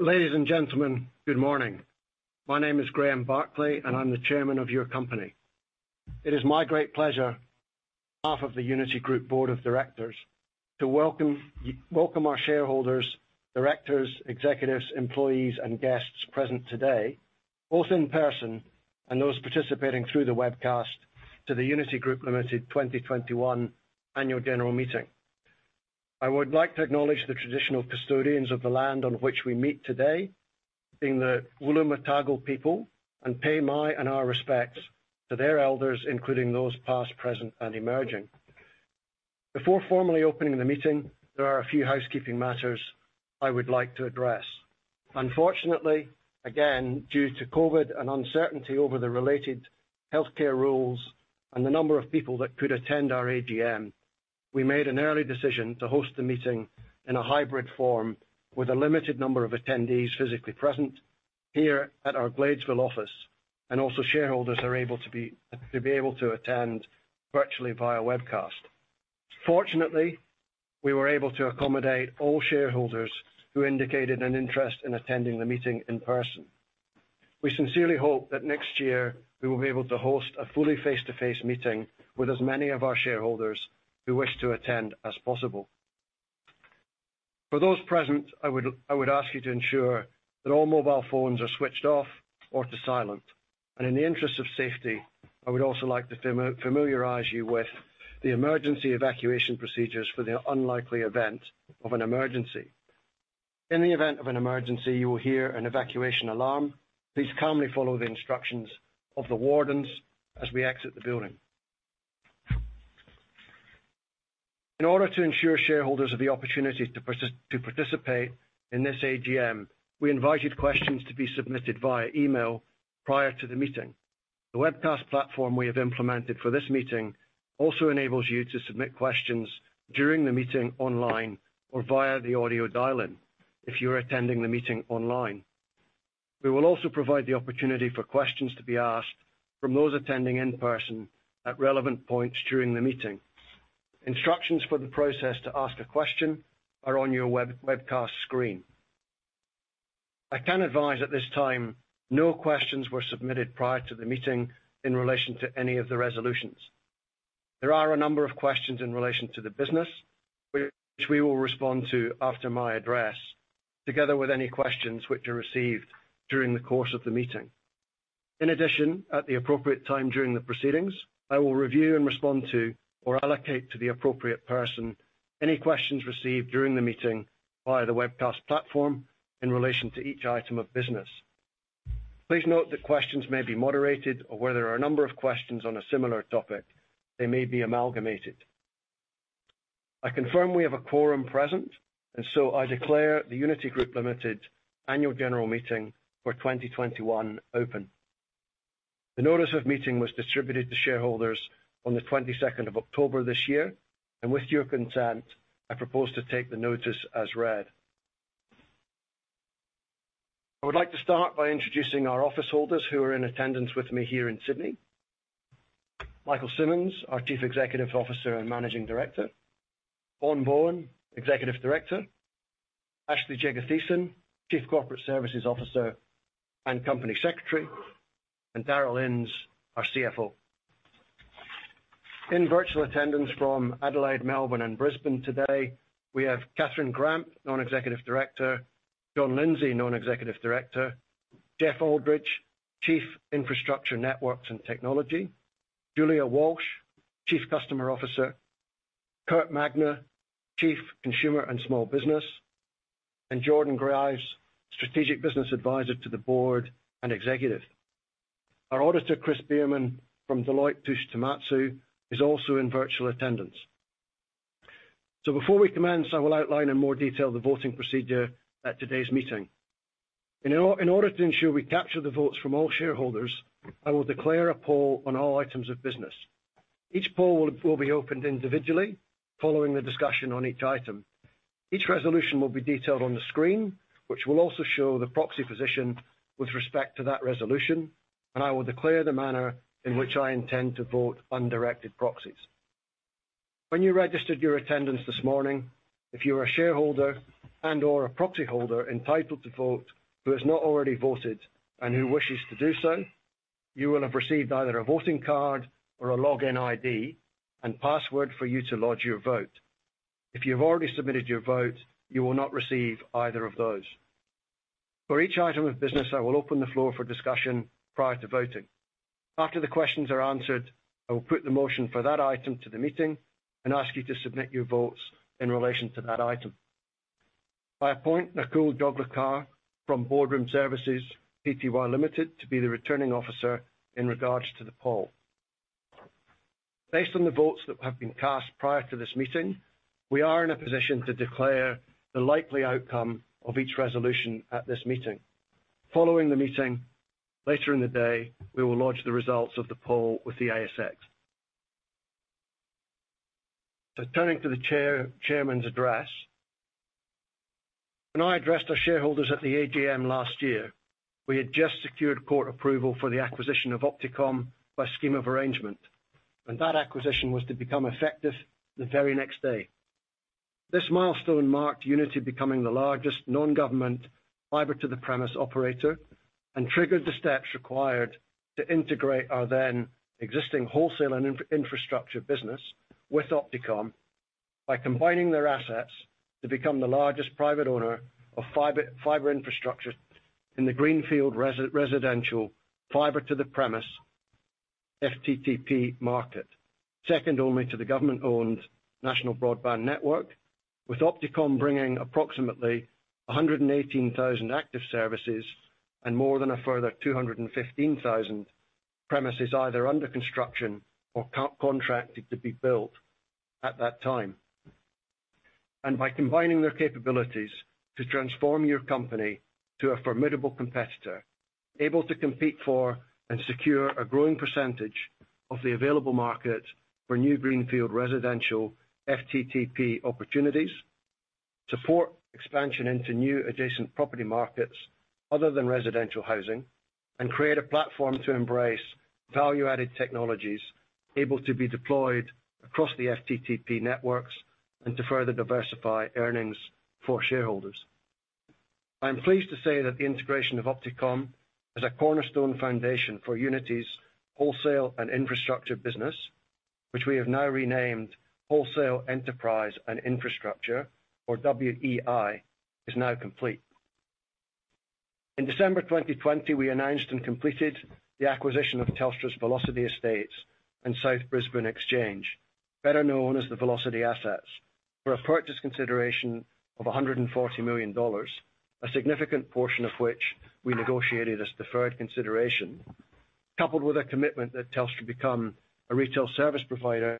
Ladies and gentlemen, good morning. My name is Graeme Barclay, and I'm the Chairman of your company. It is my great pleasure, on behalf of the Uniti Group Board of Directors, to welcome our shareholders, directors, executives, employees, and guests present today, both in person and those participating through the webcast, to the Uniti Group Limited 2021 Annual General Meeting. I would like to acknowledge the traditional custodians of the land on which we meet today, being the Wallumedegal people, and pay my and our respects to their elders, including those past, present, and emerging. Before formally opening the meeting, there are a few housekeeping matters I would like to address. Unfortunately, again, due to COVID and uncertainty over the related healthcare rules, and the number of people that could attend our AGM, we made an early decision to host the meeting in a hybrid form with a limited number of attendees physically present here at our Gladesville office, and also shareholders are able to attend virtually via webcast. Fortunately, we were able to accommodate all shareholders who indicated an interest in attending the meeting in person. We sincerely hope that next year we will be able to host a fully face-to-face meeting, with as many of our shareholders who wish to attend as possible. For those present, I would ask you to ensure that all mobile phones are switched off or to silent. In the interest of safety, I would also like to familiarize you with the emergency evacuation procedures for the unlikely event of an emergency. In the event of an emergency, you will hear an evacuation alarm. Please calmly follow the instructions of the wardens as we exit the building. In order to ensure shareholders have the opportunity to participate in this AGM, we invited questions to be submitted via email prior to the meeting. The webcast platform we have implemented for this meeting also enables you to submit questions during the meeting online or via the audio dial-in if you are attending the meeting online. We will also provide the opportunity for questions to be asked from those attending in person at relevant points during the meeting. Instructions for the process to ask a question are on your webcast screen. I can advise at this time, no questions were submitted prior to the meeting in relation to any of the resolutions. There are a number of questions in relation to the business, which we will respond to after my address, together with any questions which are received during the course of the meeting. In addition, at the appropriate time during the proceedings, I will review and respond to, or allocate to the appropriate person any questions received during the meeting via the webcast platform in relation to each item of business. Please note that questions may be moderated or where there are a number of questions on a similar topic, they may be amalgamated. I confirm we have a quorum present, and so I declare the Uniti Group Limited Annual General Meeting for 2021 open. The notice of meeting was distributed to shareholders on the 22nd of October this year, and with your consent, I propose to take the notice as read. I would like to start by introducing our office holders who are in attendance with me here in Sydney. Michael Simmons, our Chief Executive Officer and Managing Director. Vaughan Bourne, Executive Director. Ashe-lee Jegathesan, Chief Corporate Services Officer and Company Secretary, and Darryl Inns, our CFO. In virtual attendance from Adelaide, Melbourne, and Brisbane today we have Kathryn Gramp, Non-Executive Director. John Lindsay, Non-Executive Director. Geoff Aldridge, Chief Infrastructure Networks and Technology. Julia Walsh, Chief Customer Officer. Kurt Magner, Chief Consumer and Small Business, and Jordan Grives, Strategic Business Advisor to the Board and Executive. Our Auditor, Chris Biermann from Deloitte Touche Tohmatsu is also in virtual attendance. Before we commence, I will outline in more detail the voting procedure at today's meeting. In order to ensure we capture the votes from all shareholders, I will declare a poll on all items of business. Each poll will be opened individually following the discussion on each item. Each resolution will be detailed on the screen, which will also show the proxy position with respect to that resolution, and I will declare the manner in which I intend to vote undirected proxies. When you registered your attendance this morning, if you are a shareholder and/or a proxy holder entitled to vote who has not already voted and who wishes to do so, you will have received either a voting card or a login ID and password for you to lodge your vote. If you've already submitted your vote, you will not receive either of those. For each item of business, I will open the floor for discussion prior to voting. After the questions are answered, I will put the motion for that item to the meeting and ask you to submit your votes in relation to that item. I appoint Nakul Joglekar from Boardroom Services Pty Limited to be the Returning Officer in regards to the poll. Based on the votes that have been cast prior to this meeting, we are in a position to declare the likely outcome of each resolution at this meeting. Following the meeting, later in the day, we will lodge the results of the poll with the ASX. Turning to the chair, chairman's address. When I addressed our shareholders at the AGM last year, we had just secured court approval for the acquisition of Opticomm by scheme of arrangement. That acquisition was to become effective the very next day. This milestone marked Uniti becoming the largest non-government fiber to the premises operator and triggered the steps required to integrate our then existing wholesale and infrastructure business with Opticomm by combining their assets to become the largest private owner of fiber infrastructure in the greenfield residential fiber to the premises FTTP market. Second only to the government-owned national broadband network, with Opticomm bringing approximately 118,000 active services and more than a further 215,000 premises either under construction or contracted to be built at that time. By combining their capabilities to transform your company to a formidable competitor, able to compete for and secure a growing percentage of the available market for new greenfield residential FTTP opportunities, support expansion into new adjacent property markets other than residential housing, and create a platform to embrace value-added technologies able to be deployed across the FTTP networks, and to further diversify earnings for shareholders. I'm pleased to say that the integration of Opticomm as a cornerstone foundation for Uniti's wholesale and infrastructure business, which we have now renamed Wholesale, Enterprise and Infrastructure, or WEI, is now complete. In December 2020, we announced and completed the acquisition of Telstra's Velocity Estates and South Brisbane Exchange, better known as the Velocity assets, for a purchase consideration of 140 million dollars, a significant portion of which we negotiated as deferred consideration, coupled with a commitment that Telstra become a retail service provider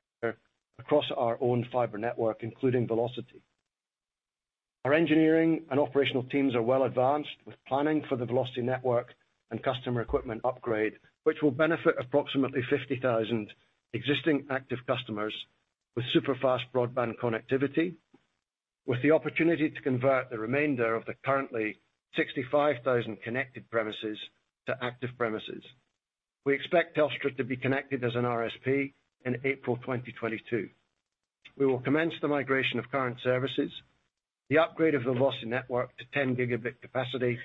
across our own fiber network, including Velocity. Our engineering and operational teams are well advanced with planning for the Velocity network and customer equipment upgrade, which will benefit approximately 50,000 existing active customers with super fast broadband connectivity, with the opportunity to convert the remainder of the currently 65,000 connected premises to active premises. We expect Telstra to be connected as an RSP in April 2022. We will commence the migration of current services, the upgrade of Velocity network to 10 GB capacity,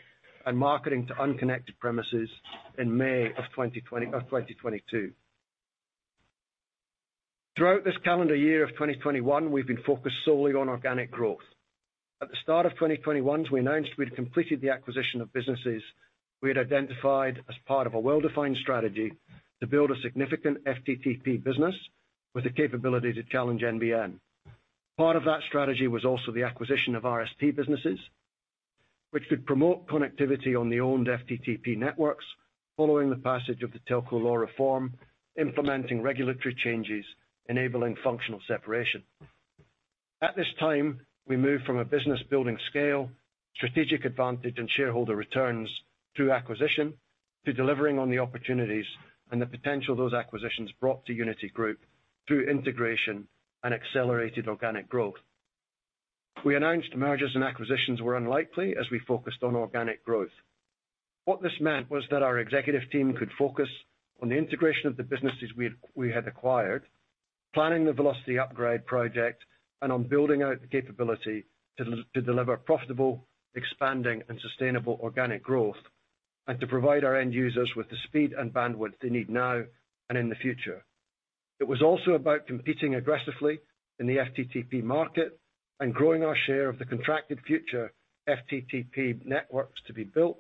and marketing to unconnected premises in May 2022. Throughout this calendar year of 2021, we've been focused solely on organic growth. At the start of 2021, we announced we'd completed the acquisition of businesses we had identified as part of a well-defined strategy to build a significant FTTP business with the capability to challenge NBN. Part of that strategy was also the acquisition of RSP businesses, which could promote connectivity on the owned FTTP networks following the passage of the Telco Law Reform, implementing regulatory changes enabling functional separation. At this time, we moved from a business building scale, strategic advantage and shareholder returns through acquisition to delivering on the opportunities and the potential those acquisitions brought to Uniti Group through integration and accelerated organic growth. We announced mergers and acquisitions were unlikely as we focused on organic growth. What this meant was that our executive team could focus on the integration of the businesses we had acquired, planning the Velocity upgrade project, and on building out the capability to deliver profitable, expanding and sustainable organic growth, and to provide our end users with the speed and bandwidth they need now and in the future. It was also about competing aggressively in the FTTP market and growing our share of the contracted future FTTP networks to be built,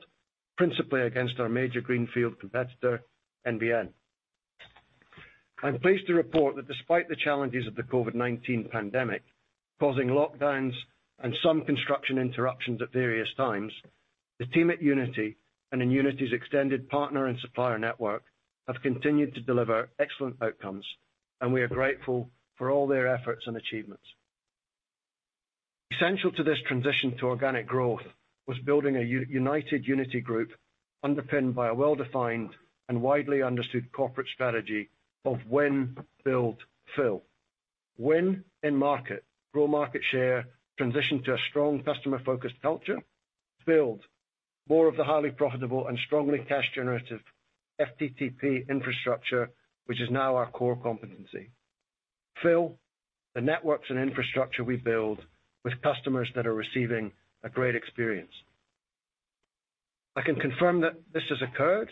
principally against our major greenfield competitor, NBN. I'm pleased to report that despite the challenges of the COVID-19 pandemic, causing lockdowns and some construction interruptions at various times, the team at Uniti and in Uniti's extended partner and supplier network have continued to deliver excellent outcomes, and we are grateful for all their efforts and achievements. Essential to this transition to organic growth was building a united Uniti Group underpinned by a well-defined and widely understood corporate strategy of win, build, fill. Win in market, grow market share, transition to a strong customer-focused culture. Build more of the highly profitable and strongly cash generative FTTP infrastructure, which is now our core competency. Fill, the networks and infrastructure we build with customers that are receiving a great experience. I can confirm that this has occurred,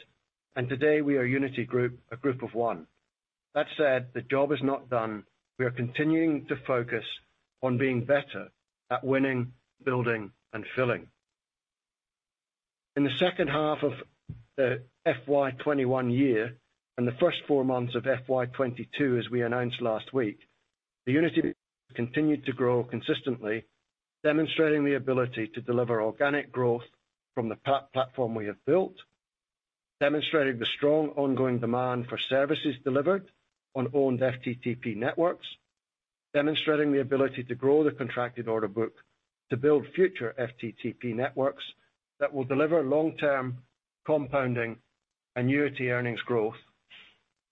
and today we are Uniti Group, a group of one. That said, the job is not done. We are continuing to focus on being better at winning, building, and filling. In the second half of the FY 2021 year and the first four months of FY 2022, as we announced last week, Uniti continued to grow consistently, demonstrating the ability to deliver organic growth from the platform we have built, demonstrating the strong ongoing demand for services delivered on owned FTTP networks, demonstrating the ability to grow the contracted order book to build future FTTP networks that will deliver long-term compounding annuity earnings growth,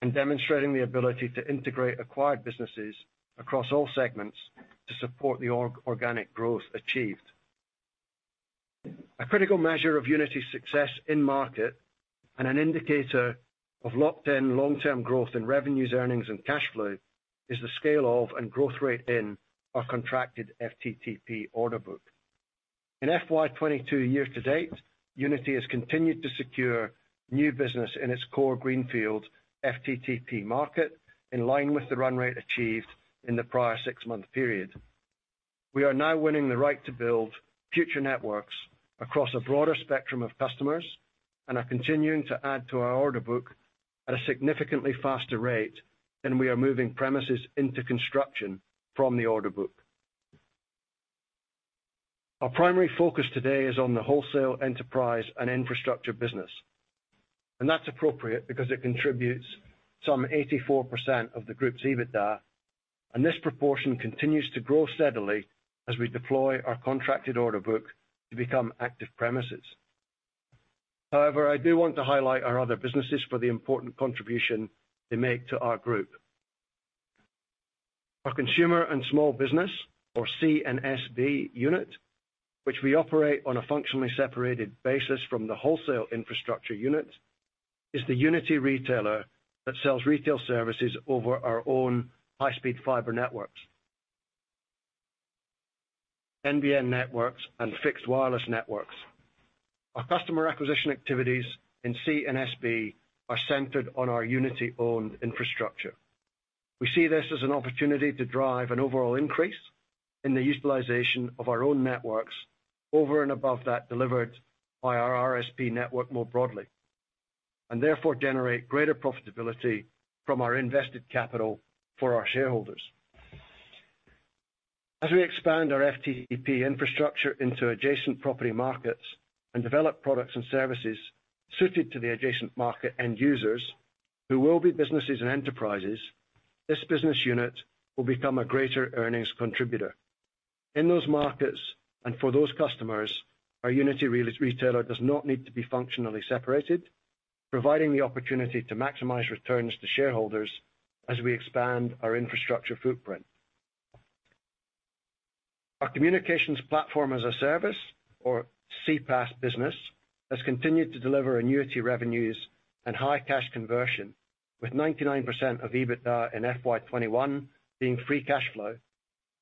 and demonstrating the ability to integrate acquired businesses across all segments to support the organic growth achieved. A critical measure of Uniti's success in market and an indicator of locked-in long-term growth in revenues, earnings, and cash flow is the scale of and growth rate in our contracted FTTP order book. In FY 2022 year to date, Uniti has continued to secure new business in its core greenfield FTTP market, in line with the run rate achieved in the prior six-month period. We are now winning the right to build future networks across a broader spectrum of customers and are continuing to add to our order book at a significantly faster rate than we are moving premises into construction from the order book. Our primary focus today is on the wholesale enterprise and infrastructure business. That's appropriate because it contributes some 84% of the group's EBITDA, and this proportion continues to grow steadily as we deploy our contracted order book to become active premises. However, I do want to highlight our other businesses for the important contribution they make to our group. Our consumer and small business or C&SB unit, which we operate on a functionally separated basis from the wholesale infrastructure unit, is the Uniti retailer that sells retail services over our own high-speed fiber networks, NBN networks and fixed wireless networks. Our customer acquisition activities in C&SB are centered on our Uniti-owned infrastructure. We see this as an opportunity to drive an overall increase in the utilization of our own networks, over and above that delivered by our RSP network more broadly, and therefore generate greater profitability from our invested capital for our shareholders. As we expand our FTTP infrastructure into adjacent property markets, and develop products and services suited to the adjacent market end users who will be businesses and enterprises, this business unit will become a greater earnings contributor. In those markets and for those customers, our Uniti re-retailer does not need to be functionally separated, providing the opportunity to maximize returns to shareholders as we expand our infrastructure footprint. Our communications platform as a service or CPaaS business has continued to deliver annuity revenues and high cash conversion, with 99% of EBITDA in FY 2021 being free cash flow,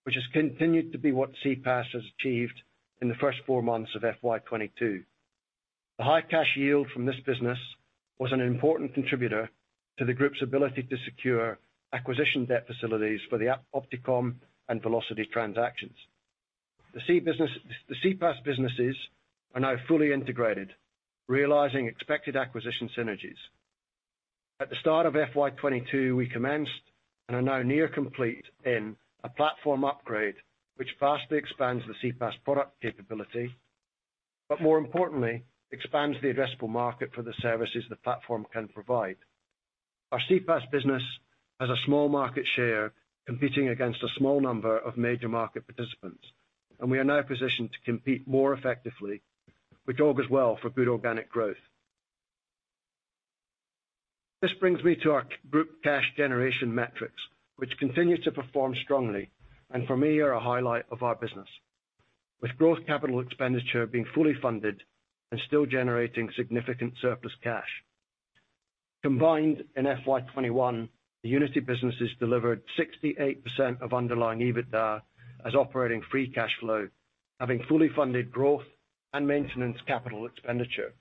which has continued to be what CPaaS has achieved in the first four months of FY 2022. The high cash yield from this business was an important contributor to the group's ability to secure acquisition debt facilities for the Opticomm and Velocity transactions. The CPaaS businesses are now fully integrated, realizing expected acquisition synergies. At the start of FY 2022, we commenced and are now nearly complete in a platform upgrade which vastly expands the CPaaS product capability, but more importantly, expands the addressable market for the services the platform can provide. Our CPaaS business has a small market share competing against a small number of major market participants, and we are now positioned to compete more effectively, which augurs well for good organic growth. This brings me to our group cash generation metrics, which continue to perform strongly, and for me, are a highlight of our business, with growth capital expenditure being fully funded and still generating significant surplus cash. Combined in FY 2021, the Uniti businesses delivered 68% of underlying EBITDA as operating free cash flow, having fully funded growth and maintenance capital expenditure.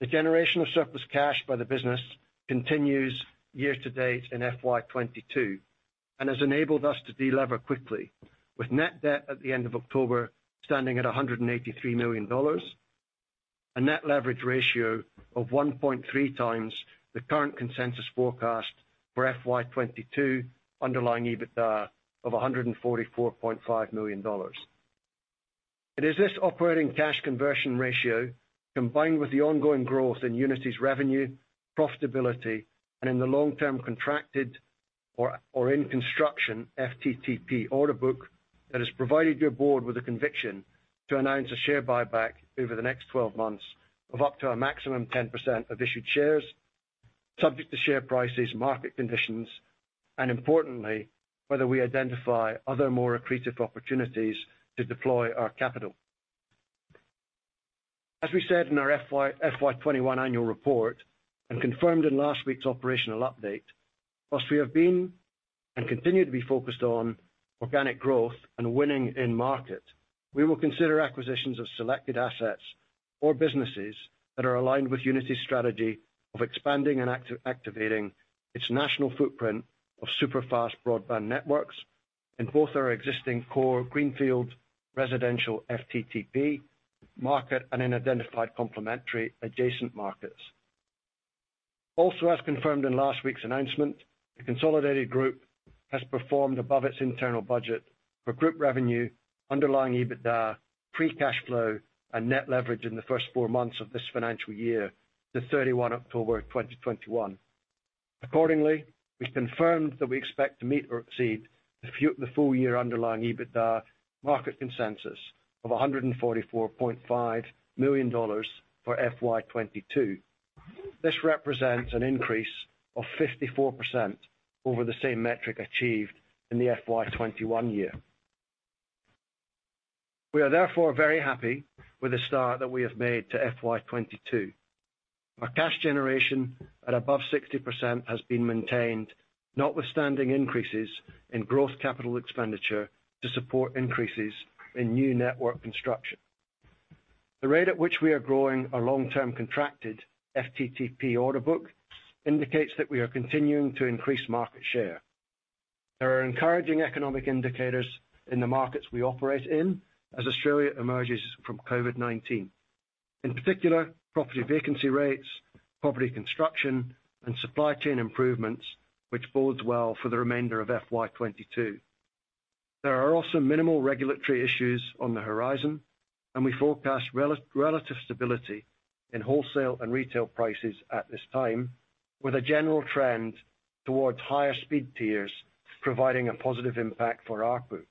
The generation of surplus cash by the business continues year-to-date in FY 2022, and has enabled us to delever quickly with net debt at the end of October standing at 183 million dollars, a net leverage ratio of 1.3x the current consensus forecast for FY 2022 underlying EBITDA of 144.5 million dollars. It is this operating cash conversion ratio combined with the ongoing growth in Uniti's revenue, profitability, and in the long-term contracted or in construction FTTP order book that has provided your board with a conviction to announce a share buyback over the next 12 months of up to a maximum 10% of issued shares, subject to share prices, market conditions, and importantly, whether we identify other more accretive opportunities to deploy our capital. As we said in our FY 2021 annual report and confirmed in last week's operational update, while we have been and continue to be focused on organic growth and winning in market, we will consider acquisitions of selected assets or businesses that are aligned with Uniti's strategy of expanding and activating its national footprint of super-fast broadband networks in both our existing core greenfield residential FTTP market and in identified complementary adjacent markets. Also, as confirmed in last week's announcement, the consolidated group has performed above its internal budget for group revenue underlying EBITDA, free cash flow, and net leverage in the first four months of this financial year to 31 October 2021. Accordingly, we've confirmed that we expect to meet or exceed the full-year underlying EBITDA market consensus of 144.5 million dollars for FY 2022. This represents an increase of 54% over the same metric achieved in the FY 2021 year. We are therefore very happy with the start that we have made to FY 2022. Our cash generation at above 60% has been maintained, notwithstanding increases in growth capital expenditure to support increases in new network construction. The rate at which we are growing our long-term contracted FTTP order book indicates that we are continuing to increase market share. There are encouraging economic indicators in the markets we operate in as Australia emerges from COVID-19. In particular, property vacancy rates, property construction, and supply chain improvements, which bodes well for the remainder of FY 2022. There are also minimal regulatory issues on the horizon, and we forecast relative stability in wholesale and retail prices at this time, with a general trend towards higher speed tiers, providing a positive impact for ARPU.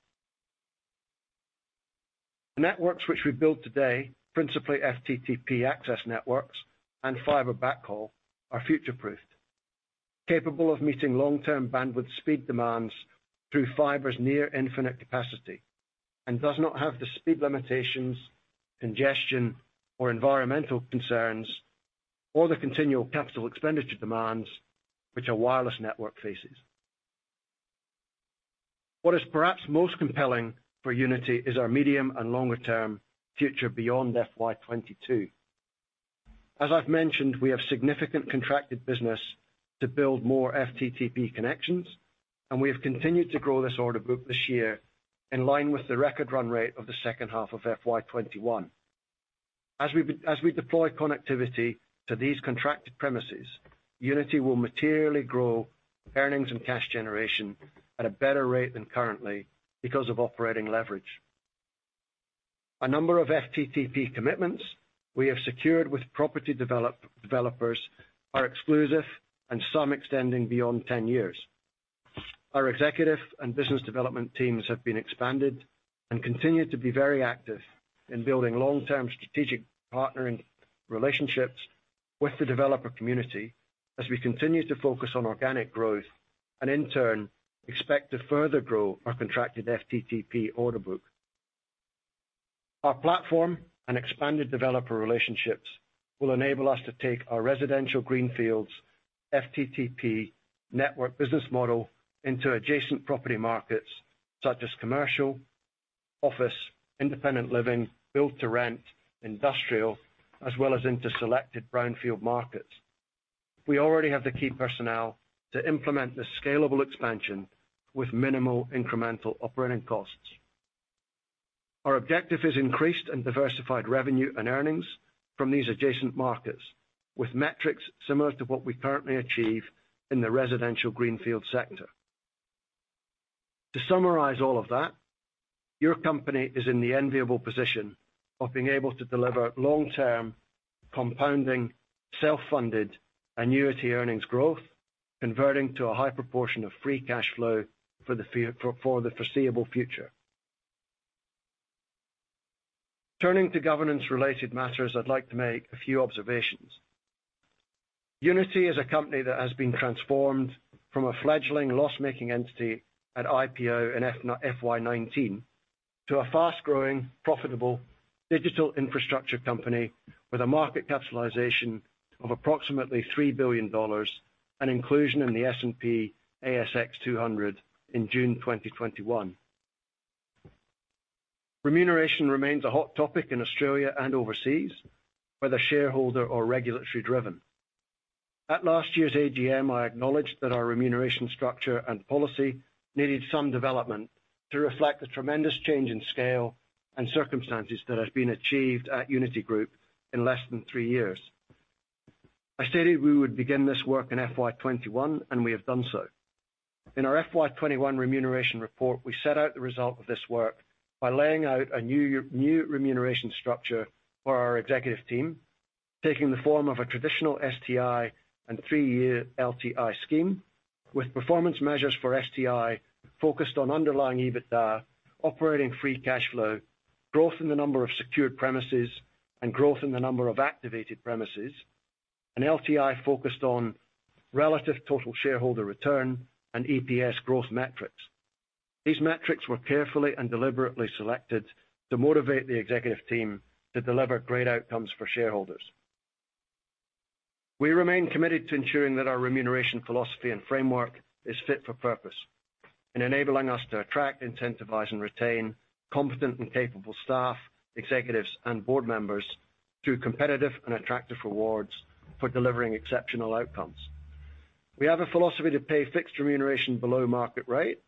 The networks which we build today, principally FTTP access networks and fiber backhaul, are future-proofed, capable of meeting long-term bandwidth speed demands through fiber's near-infinite capacity, and does not have the speed limitations, congestion, or environmental concerns or the continual capital expenditure demands which a wireless network faces. What is perhaps most compelling for Uniti is our medium and longer term future beyond FY 2022. As I've mentioned, we have significant contracted business to build more FTTP connections, and we have continued to grow this order book this year in line with the record run rate of the second half of FY 2021. As we deploy connectivity to these contracted premises, Uniti will materially grow earnings and cash generation at a better rate than currently because of operating leverage. A number of FTTP commitments we have secured with property developers are exclusive, and some extending beyond 10 years. Our executive and business development teams have been expanded. And continue to be very active in building long-term strategic partnering relationships with the developer community, as we continue to focus on organic growth and in turn expect to further grow our contracted FTTP order book. Our platform and expanded developer relationships will enable us to take our residential Greenfields FTTP network business model into adjacent property markets such as commercial, office, independent living, build-to-rent, industrial, as well as into selected brownfield markets. We already have the key personnel to implement this scalable expansion with minimal incremental operating costs. Our objective is increased and diversified revenue and earnings from these adjacent markets, with metrics similar to what we currently achieve in the residential greenfield sector. To summarize all of that, your company is in the enviable position of being able to deliver long-term compounding, self-funded annuity earnings growth, converting to a high proportion of free cash flow for the foreseeable future. Turning to governance-related matters, I'd like to make a few observations. Uniti is a company that has been transformed from a fledgling loss-making entity at IPO in FY 2019 to a fast-growing, profitable digital infrastructure company with a market capitalization of approximately 3 billion dollars and inclusion in the S&P/ASX 200 in June 2021. Remuneration remains a hot topic in Australia and overseas, whether shareholder or regulatory-driven. At last year's AGM, I acknowledged that our remuneration structure and policy needed some development, to reflect the tremendous change in scale and circumstances that has been achieved at Uniti Group in less than three years. I stated we would begin this work in FY 2021, and we have done so. In our FY 2021 remuneration report, we set out the result of this work by laying out a new remuneration structure for our executive team, taking the form of a traditional STI and three-year LTI scheme with performance measures for STI focused on underlying EBITDA, operating free cash flow, growth in the number of secured premises, and growth in the number of activated premises, an LTI focused on relative total shareholder return and EPS growth metrics. These metrics were carefully and deliberately selected, to motivate the executive team to deliver great outcomes for shareholders. We remain committed to ensuring that our remuneration philosophy and framework is fit for purpose in enabling us to attract, incentivize, and retain competent and capable staff, executives, and board members through competitive and attractive rewards for delivering exceptional outcomes. We have a philosophy to pay fixed remuneration below market rate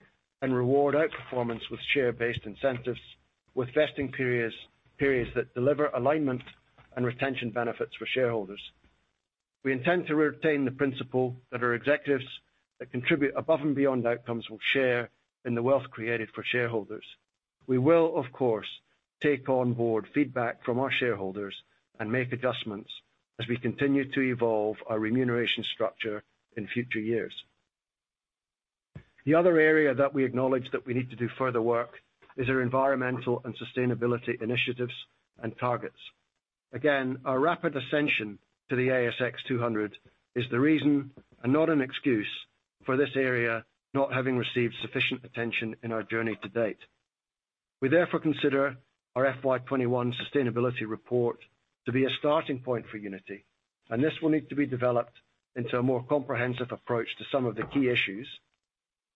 and reward outperformance with share-based incentives, with vesting periods that deliver alignment and retention benefits for shareholders. We intend to retain the principle that our executives that contribute above and beyond outcomes will share in the wealth created for shareholders. We will, of course, take on board feedback from our shareholders and make adjustments, as we continue to evolve our remuneration structure in future years. The other area that we acknowledge that we need to do further work is our environmental and sustainability initiatives and targets. Our rapid ascension to the ASX 200 is the reason, and not an excuse, for this area not having received sufficient attention in our journey to date. We therefore consider our FY 2021 sustainability report to be a starting point for Uniti, and this will need to be developed into a more comprehensive approach to some of the key issues,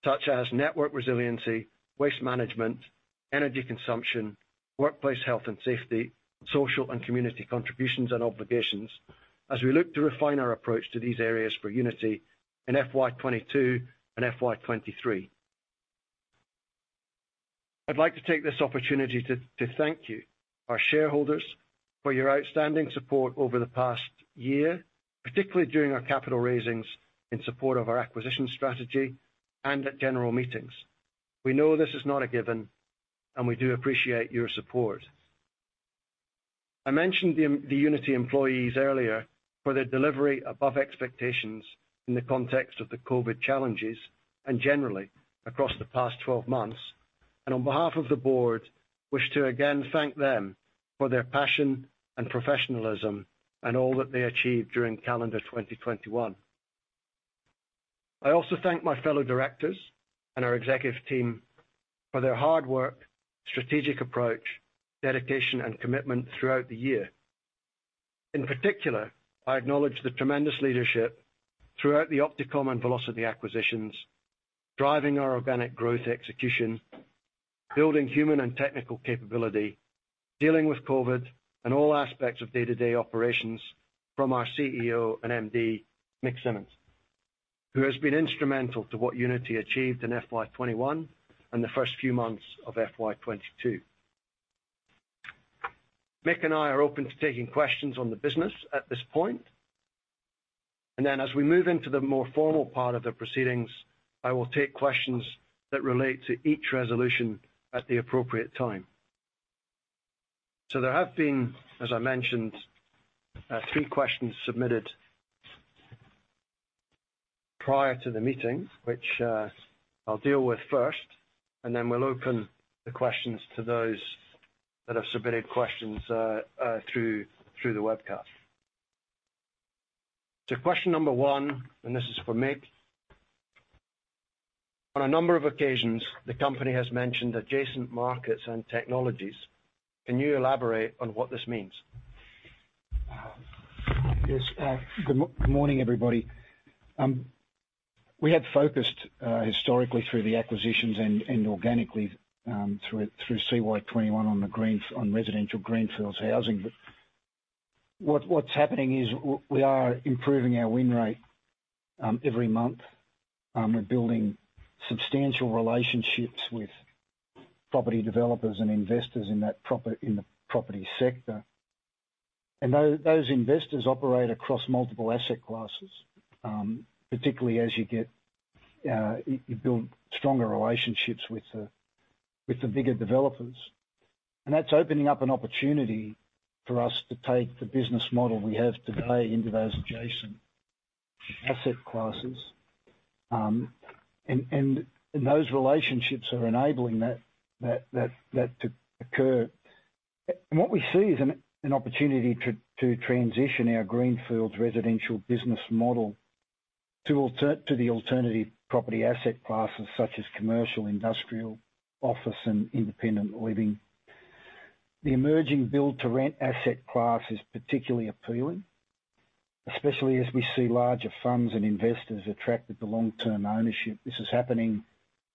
such as network resiliency, waste management, energy consumption, workplace health and safety, social and community contributions and obligations as we look to refine our approach to these areas for Uniti in FY 2022 and FY 2023. I'd like to take this opportunity to thank you, our shareholders, for your outstanding support over the past year, particularly during our capital raisings in support of our acquisition strategy and at general meetings. We know this is not a given, and we do appreciate your support. I mentioned the Uniti employees earlier for their delivery above expectations in the context of the COVID challenges and generally across the past 12 months. On behalf of the board, I wish to again thank them for their passion and professionalism, and all that they achieved during calendar 2021. I also thank my fellow directors and our executive team for their hard work, strategic approach, dedication, and commitment throughout the year. In particular, I acknowledge the tremendous leadership throughout the Opticomm and Velocity acquisitions, driving our organic growth execution, building human and technical capability, dealing with COVID and all aspects of day-to-day operations from our CEO and MD, Mick Simmons, who has been instrumental to what Uniti achieved in FY 2021 and the first few months of FY 2022. Mick and I are open to taking questions on the business at this point. As we move into the more formal part of the proceedings, I will take questions that relate to each resolution at the appropriate time. There have been, as I mentioned, three questions submitted prior to the meeting, which I'll deal with first, and then we'll open the questions to those that have submitted questions through the webcast. Question number one, and this is for Mick. On a number of occasions, the company has mentioned adjacent markets and technologies. Can you elaborate on what this means? Yes. Good morning, everybody. We had focused historically through the acquisitions and organically through CY 2021 on residential Greenfields housing. What’s happening is we are improving our win rate every month. We're building substantial relationships with property developers and investors in the property sector. Those investors operate across multiple asset classes, particularly as you get you build stronger relationships with the bigger developers. That's opening up an opportunity for us to take the business model we have today into those adjacent asset classes. Those relationships are enabling that to occur. What we see is an opportunity to transition our Greenfields residential business model, to the alternative property asset classes such as commercial, industrial, office, and independent living. The emerging build-to-rent asset class is particularly appealing, especially as we see larger funds and investors attracted to long-term ownership. This is happening.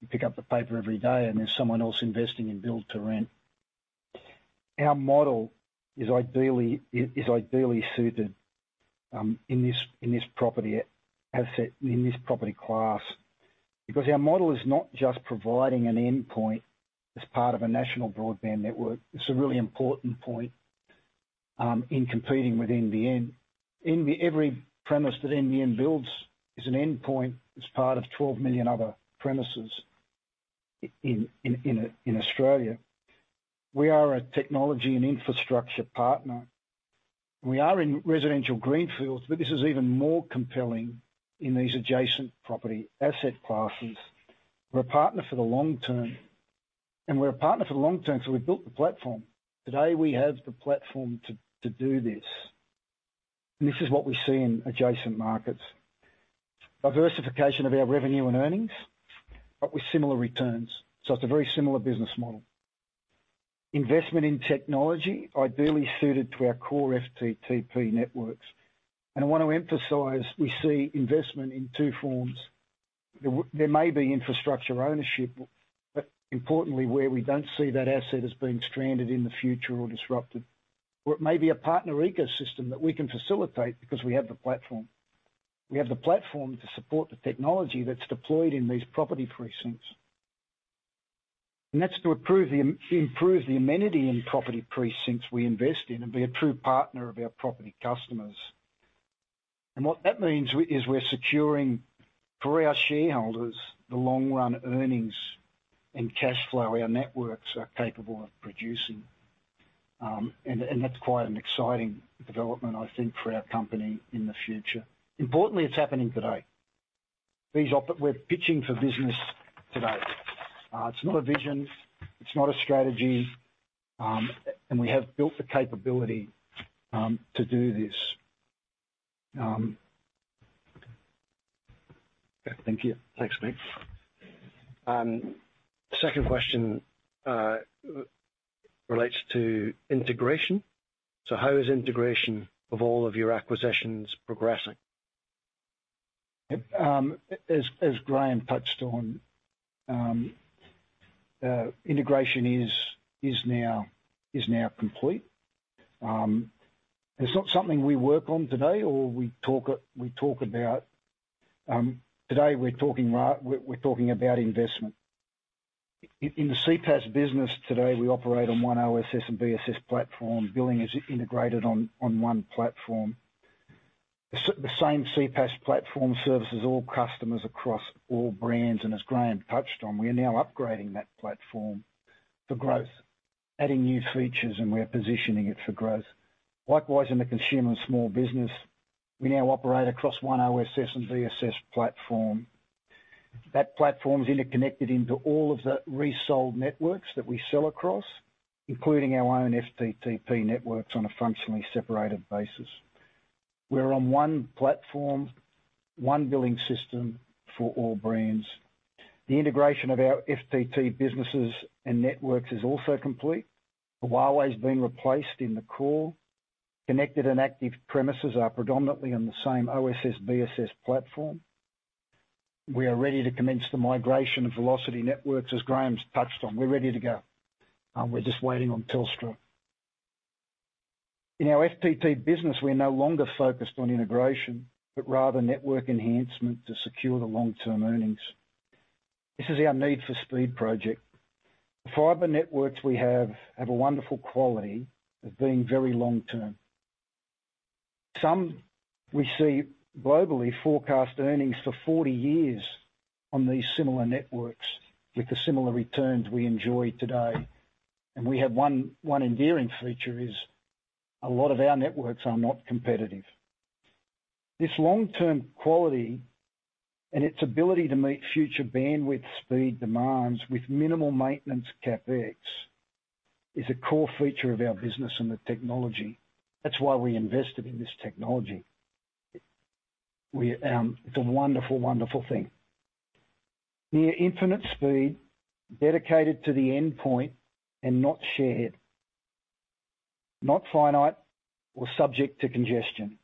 You pick up the paper every day and there's someone else investing in build to rent. Our model is ideally suited in this property class. Because our model is not just providing an endpoint as part of a national broadband network. It's a really important point in competing with NBN. Every premise that NBN builds is an endpoint as part of 12 million other premises in Australia. We are a technology and infrastructure partner. We are in residential Greenfields, but this is even more compelling in these adjacent property asset classes. We're a partner for the long term, so we built the platform. Today, we have the platform to do this. This is what we see in adjacent markets. Diversification of our revenue and earnings, but with similar returns. It's a very similar business model. Investment in technology ideally suited to our core FTTP networks. I wanna emphasize, we see investment in two forms. There may be infrastructure ownership, but importantly, where we don't see that asset as being stranded in the future or disrupted. Or it may be a partner ecosystem that we can facilitate because we have the platform. We have the platform to support the technology that's deployed in these property precincts. That's to improve the amenity in property precincts we invest in and be a true partner of our property customers. What that means is we're securing for our shareholders the long run earnings, and cash flow our networks are capable of producing, and that's quite an exciting development, I think, for our company in the future. Importantly, it's happening today. We're pitching for business today. It's not a vision, it's not a strategy, and we have built the capability to do this. Okay. Thank you. Thanks, mate. Second question relates to integration. How is integration of all of your acquisitions progressing? As Graeme touched on, integration is now complete. It's not something we work on today or we talk about. Today, we're talking about investment. In the CPaaS business today, we operate on one OSS and BSS platform. Billing is integrated on one platform. The same CPaaS platform services all customers across all brands. As Graeme touched on, we are now upgrading that platform for growth, adding new features, and we are positioning it for growth. Likewise, in the consumer and small business, we now operate across one OSS and BSS platform. That platform's interconnected into all of the resold networks that we sell across, including our own FTTP networks on a functionally separated basis. We're on one platform, one billing system for all brands. The integration of our FTTP businesses and networks is also complete. The Huawei's been replaced in the core. Connected and active premises are predominantly on the same OSS BSS platform. We are ready to commence the migration of Velocity networks, as Graeme's touched on. We're ready to go. We're just waiting on Telstra. In our FTTP business, we're no longer focused on integration, but rather network enhancement to secure the long-term earnings. This is our Need for Speed project. The fiber networks we have have a wonderful quality of being very long-term. Some we see globally forecast earnings for 40 years on these similar networks with the similar returns we enjoy today. We have one enduring feature is a lot of our networks are not competitive. This long-term quality and its ability to meet future bandwidth speed demands with minimal maintenance CapEx, is a core feature of our business and the technology. That's why we invested in this technology. It's a wonderful thing. Near infinite speed, dedicated to the endpoint and not shared, not finite or subject to congestion.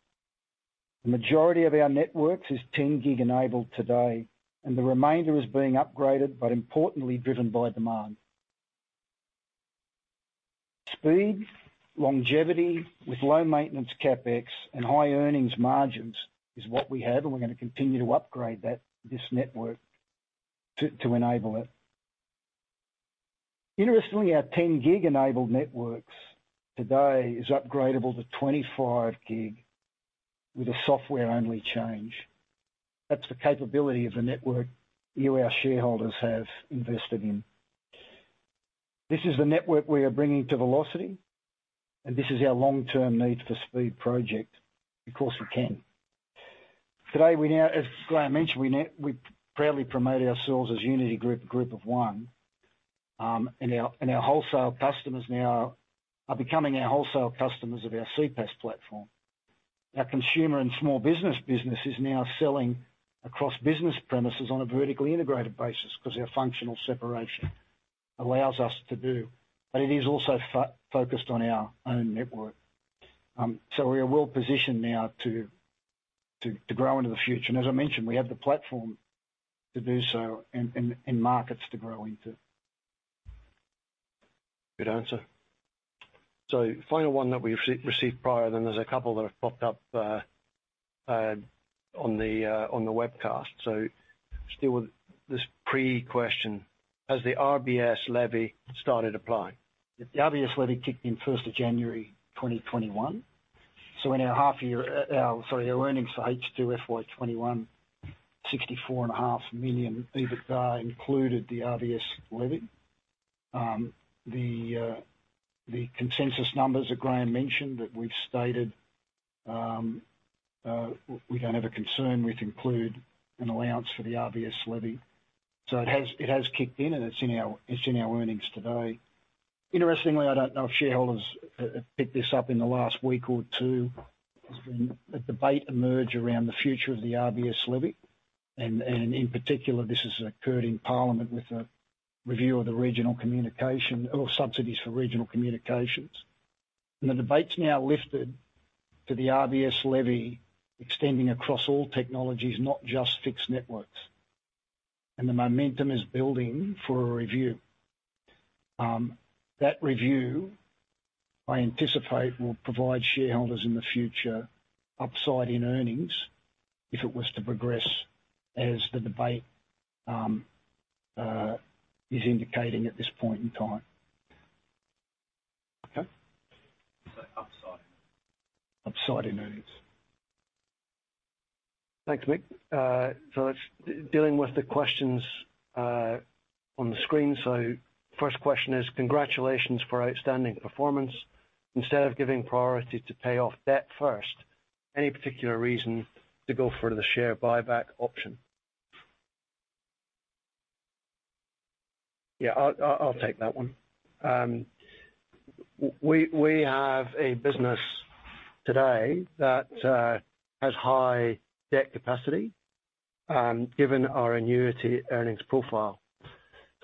The majority of our networks is 10 GB enabled today, and the remainder is being upgraded, but importantly driven by demand. Speed, longevity with low maintenance CapEx and high earnings margins is what we have, and we're gonna continue to upgrade this network to enable it. Interestingly, our 10 Gb-enabled networks today is upgradeable to 25 GB with a software-only change. That's the capability of the network you, our shareholders, have invested in. This is the network we are bringing to Velocity, and this is our long-term Need for Speed project because we can. Today, as Graeme mentioned, we proudly promote ourselves as Uniti Group of One. Our wholesale customers are now becoming customers of our CPaaS platform. Our consumer and small business business is now selling across business premises on a vertically integrated basis 'cause our functional separation allows us to do, but it is also focused on our own network. We are well positioned now to grow into the future. As I mentioned, we have the platform to do so and markets to grow into. Good answer. Final one that we've received prior, then there's a couple that have popped up on the webcast. Still with this pre-question. Has the RBS levy started applying? The RBS levy kicked in first of January 2021. In our half-year, our earnings for H2 FY 2021, 64.5 million EBITDA included the RBS levy. The consensus numbers that Graeme mentioned that we've stated, we don't have a concern with include an allowance for the RBS levy. It has kicked in and it's in our earnings today. Interestingly, I don't know if shareholders picked this up in the last week or two. There's been a debate emerge around the future of the RBS levy, and in particular, this has occurred in Parliament with a review of the regional communication or subsidies for regional communications. The debate's now lifted to the RBS levy extending across all technologies, not just fixed networks. The momentum is building for a review. That review, I anticipate, will provide shareholders in the future upside in earnings if it was to progress as the debate is indicating at this point in time. Okay. Upside in earnings. Thanks, Mick. Let's deal with the questions on the screen. First question is, congratulations for outstanding performance. Instead of giving priority to pay off debt first, any particular reason to go for the share buyback option? Yeah, I'll take that one. We have a business today that has high debt capacity, given our annuity earnings profile.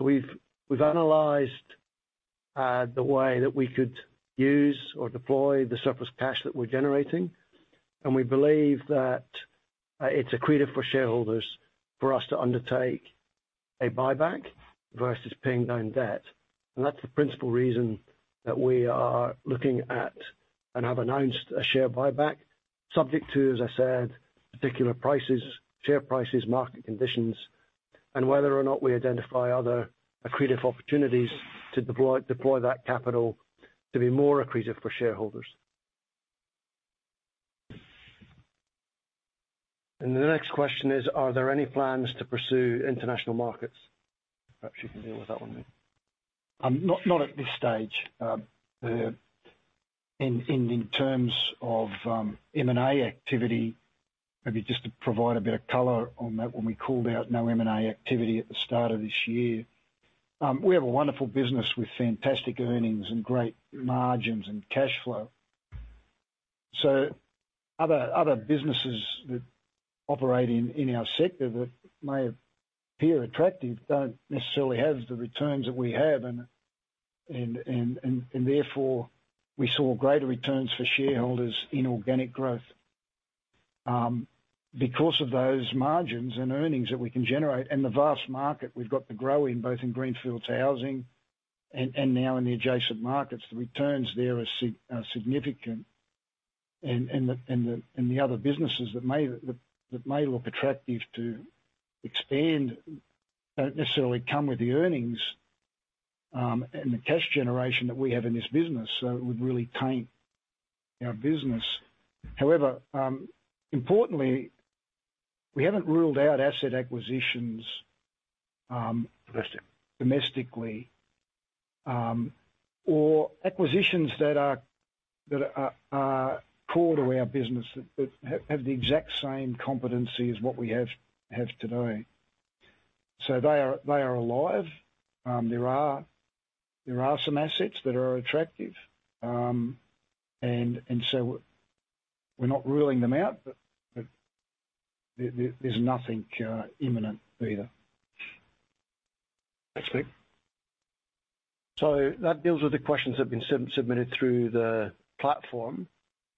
We've analyzed the way that we could use or deploy the surplus cash that we're generating, and we believe that it's accretive for shareholders for us to undertake a buyback versus paying down debt. That's the principal reason that we are looking at and have announced a share buyback subject to, as I said, particular prices, share prices, market conditions, and whether or not we identify other accretive opportunities to deploy that capital to be more accretive for shareholders. The next question is, are there any plans to pursue international markets? Perhaps you can deal with that one, Mick. Not at this stage. In terms of M&A activity, maybe just to provide a bit of color on that when we called out no M&A activity at the start of this year. We have a wonderful business with fantastic earnings and great margins and cash flow. Other businesses that operate in our sector that may appear attractive don't necessarily have the returns that we have, and therefore we saw greater returns for shareholders in organic growth. Because of those margins and earnings that we can generate and the vast market we've got to grow in, both in Greenfields housing and now in the adjacent markets, the returns there are significant. The other businesses that may look attractive to expand don't necessarily come with the earnings and the cash generation that we have in this business, so it would really taint our business. However, importantly, we haven't ruled out asset acquisitions, domestically, or acquisitions that are core to our business that have the exact same competency as what we have today. They are alive. There are some assets that are attractive. So we're not ruling them out, but there's nothing imminent either. Thanks, Mick. That deals with the questions that have been submitted through the platform.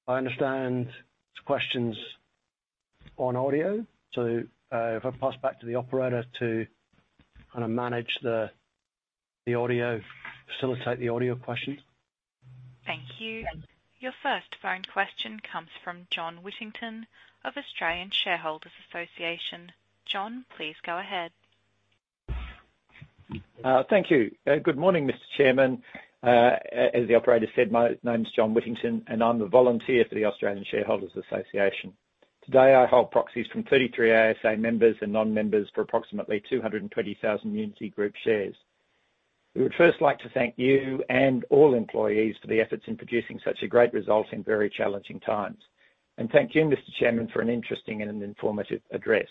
I understand there's questions on audio. If I pass back to the operator to facilitate the audio questions. Thank you. Your first phone question comes from John Whittington of Australian Shareholders' Association. John, please go ahead. Thank you. Good morning, Mr. Chairman. As the operator said, my name is John Whittington, and I'm a volunteer for the Australian Shareholders' Association. Today, I hold proxies from 33 ASA members and non-members for approximately 220,000 Uniti Group shares. We would first like to thank you and all employees for the efforts in producing such a great result in very challenging times. Thank you, Mr. Chairman, for an interesting and informative address.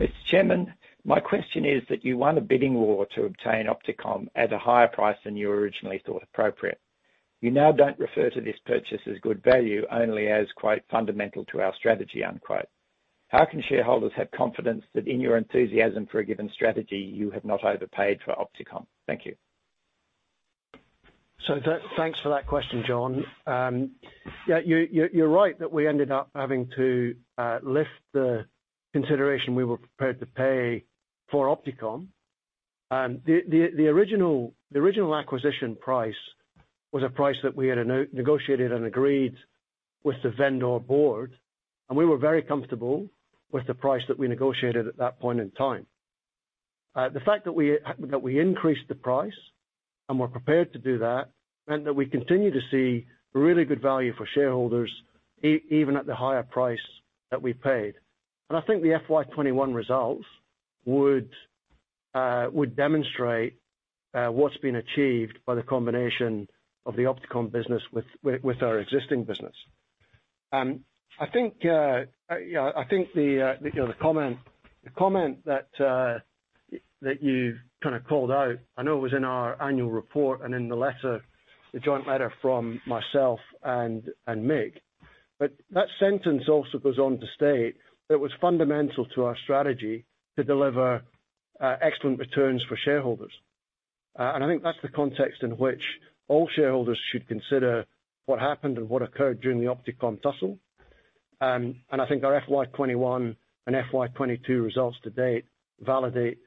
Mr. Chairman, my question is that you won a bidding war to obtain Opticomm at a higher price than you originally thought appropriate. You now don't refer to this purchase as good value, only as, quote, fundamental to our strategy, unquote. How can shareholders have confidence that in your enthusiasm for a given strategy, you have not overpaid for Opticomm? Thank you. Thanks for that question, John. Yeah, you're right that we ended up having to lift the consideration we were prepared to pay for Opticomm. The original acquisition price was a price that we had negotiated and agreed with the vendor board, and we were very comfortable with the price that we negotiated at that point in time. The fact that we increased the price and were prepared to do that meant that we continue to see really good value for shareholders even at the higher price that we paid. I think the FY 2021 results would demonstrate what's been achieved by the combination of the Opticomm business with our existing business. I think you know I think the you know the comment that you kind of called out. I know it was in our annual report and in the letter, the joint letter from myself and Mick. That sentence also goes on to state that it was fundamental to our strategy to deliver excellent returns for shareholders. I think that's the context in which all shareholders should consider what happened and what occurred during the Opticomm tussle. I think our FY 2021 and FY 2022 results to date validate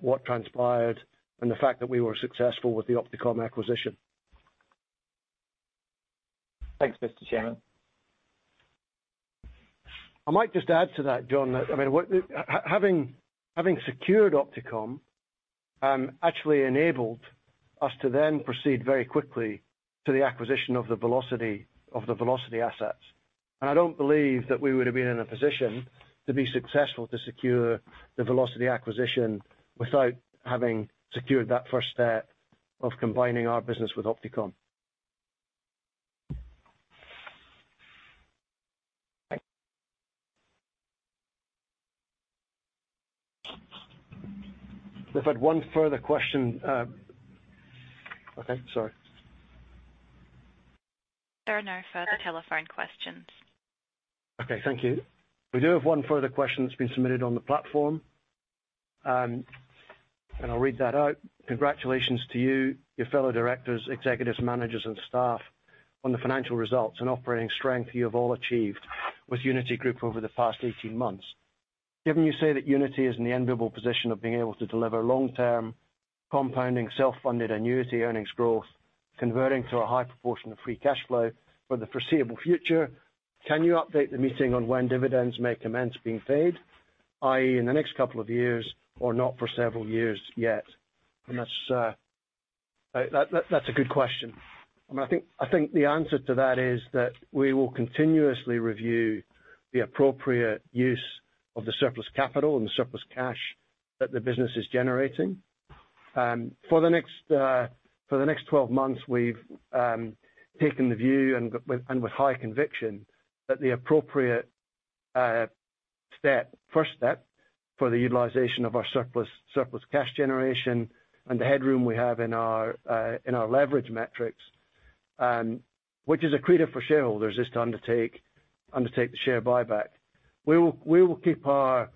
what transpired and the fact that we were successful with the Opticomm acquisition. Thanks, Mr. Chairman. I might just add to that, John. I mean, having secured Opticomm actually enabled us to then proceed very quickly to the acquisition of the Velocity assets. I don't believe that we would have been in a position to be successful to secure the Velocity acquisition without having secured that first step of combining our business with Opticomm. Thanks. We've had one further question. Okay, sorry. There are no further telephone questions. Okay, thank you. We do have one further question that's been submitted on the platform, and I'll read that out. Congratulations to you, your fellow directors, executives, managers, and staff on the financial results and operating strength you have all achieved with Uniti Group over the past 18 months. Given you say that Uniti is in the enviable position of being able to deliver long-term compounding self-funded annuity earnings growth, converting to a high proportion of free cash flow for the foreseeable future, can you update the meeting on when dividends may commence being paid, i.e., in the next couple of years or not for several years yet? That's a good question. I think the answer to that is that we will continuously review the appropriate use of the surplus capital and the surplus cash that the business is generating. For the next 12 months, we've taken the view and with high conviction that the appropriate first step for the utilization of our surplus cash generation and the headroom we have in our leverage metrics, which is accretive for shareholders, is to undertake the share buyback. We will keep our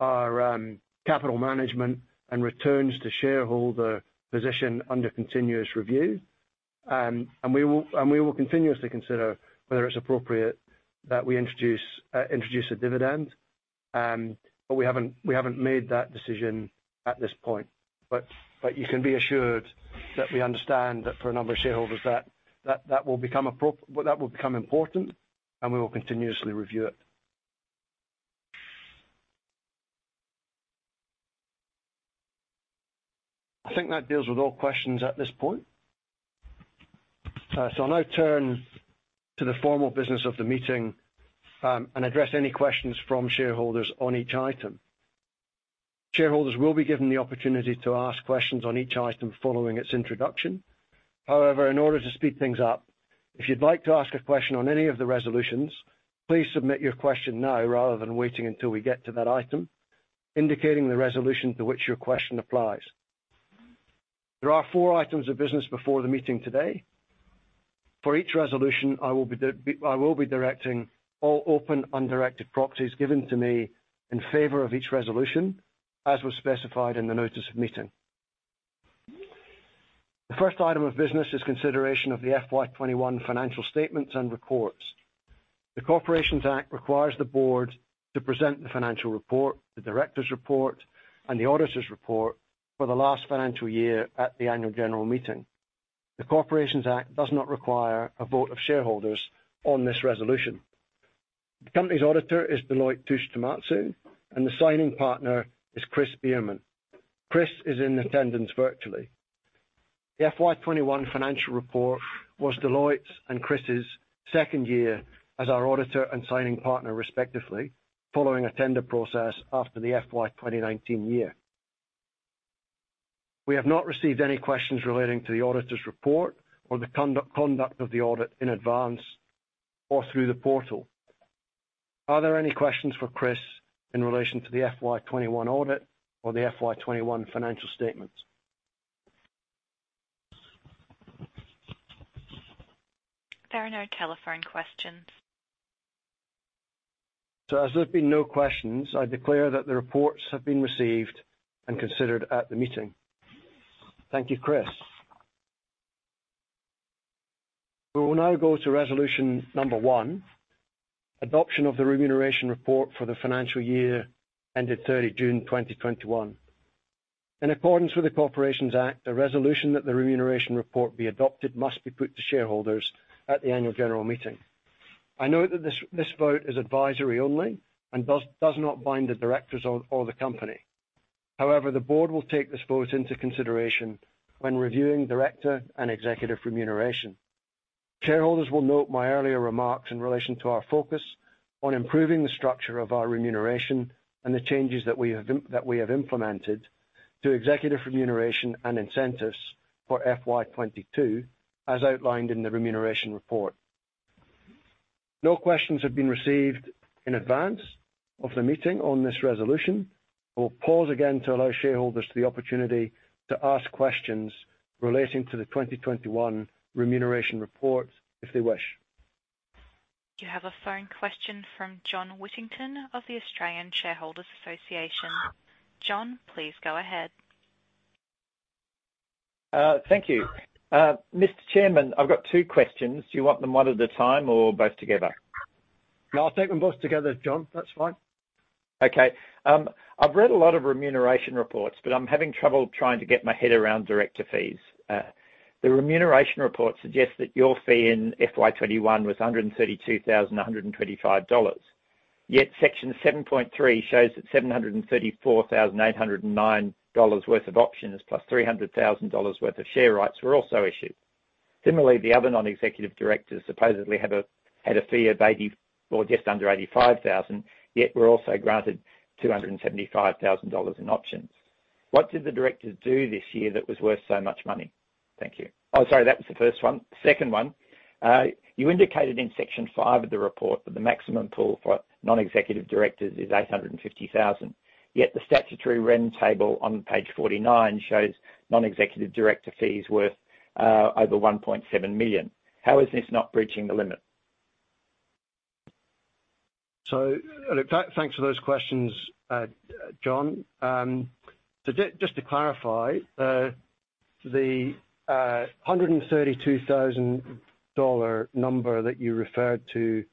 capital management and returns to shareholder position under continuous review. We will continuously consider whether it's appropriate that we introduce a dividend. We haven't made that decision at this point. You can be assured that we understand that for a number of shareholders that will become important, and we will continuously review it. I think that deals with all questions at this point. I'll now turn to the formal business of the meeting, and address any questions from shareholders on each item. Shareholders will be given the opportunity to ask questions on each item following its introduction. However, in order to speed things up, if you'd like to ask a question on any of the resolutions, please submit your question now rather than waiting until we get to that item, indicating the resolution to which your question applies. There are four items of business before the meeting today. For each resolution, I will be directing all open, undirected proxies given to me in favor of each resolution, as was specified in the notice of meeting. The first item of business is consideration of the FY 2021 financial statements and reports. The Corporations Act requires the board to present the financial report, the director's report, and the auditor's report for the last financial year at the annual general meeting. The Corporations Act does not require a vote of shareholders on this resolution. The company's auditor is Deloitte Touche Tohmatsu, and the signing partner is Chris Biermann. Chris is in attendance virtually. The FY 2021 financial report was Deloitte's and Chris's second year as our auditor and signing partner, respectively, following a tender process after the FY 2019 year. We have not received any questions relating to the auditor's report, or the conduct of the audit in advance or through the portal. Are there any questions for Chris in relation to the FY 2021 audit or the FY 2021 financial statements? There are no telephone questions. As there's been no questions, I declare that the reports have been received and considered at the meeting. Thank you, Chris. We will now go to resolution number one, adoption of the remuneration report for the financial year ended 30 June 2021. In accordance with the Corporations Act, the resolution that the remuneration report be adopted must be put to shareholders at the annual general meeting. I note that this vote is advisory only and does not bind the directors or the company. However, the board will take this vote into consideration when reviewing director and executive remuneration. Shareholders will note my earlier remarks in relation to our focus on improving the structure of our remuneration and the changes that we have implemented to executive remuneration and incentives for FY 2022, as outlined in the remuneration report. No questions have been received in advance of the meeting on this resolution. We'll pause again to allow shareholders the opportunity to ask questions relating to the 2021 remuneration report if they wish. You have a phone question from John Whittington of the Australian Shareholders' Association. John, please go ahead. Thank you. Mr. Chairman, I've got two questions. Do you want them one at a time or both together? No, I'll take them both together, John. That's fine. Okay. I've read a lot of remuneration reports, but I'm having trouble trying to get my head around director fees. The remuneration report suggests that your fee in FY 2021 was 132,125 dollars. Section 7.3 shows that 734,809 dollars worth of options, plus 300,000 dollars worth of share rights were also issued. Similarly, the other non-executive directors supposedly had a fee of 80 or just under 85,000, yet were also granted 275,000 dollars in options. What did the directors do this year that was worth so much money? Thank you. Oh, sorry, that was the first one. Second one, you indicated in section five of the report that the maximum pool for non-executive directors is 850,000, yet the statutory REM table on page 49 shows non-executive director fees worth over 1.7 million. How is this not breaching the limit? Look, thanks for those questions, John. Just to clarify, the 132,000 dollar number that you referred to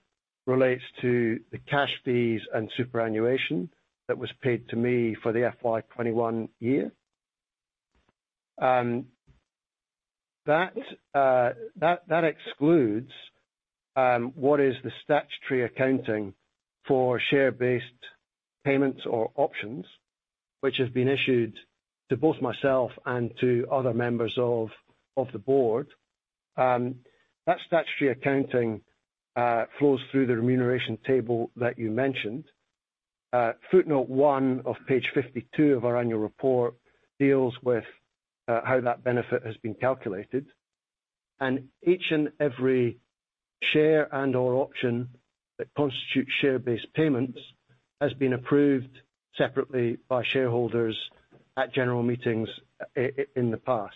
relates to the cash fees and superannuation that was paid to me for the FY 2021 year. That excludes what is the statutory accounting for share-based payments or options, which have been issued to both myself and to other members of the board. That statutory accounting flows through the remuneration table that you mentioned. Footnote one of page 52 of our annual report deals with how that benefit has been calculated. Each and every share and/or option that constitutes share-based payments has been approved separately by shareholders at general meetings in the past.